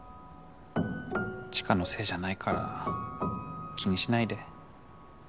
知花のせいじゃないから気にしないで。